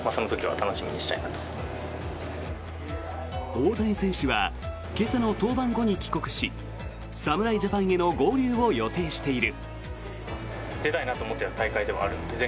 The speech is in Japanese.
大谷選手は今朝の登板後に帰国し侍ジャパンへの合流を予定している。